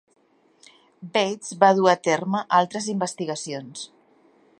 Bates va dur a terme altres investigacions.